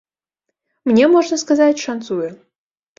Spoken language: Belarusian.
Мне, можна сказаць, шанцуе.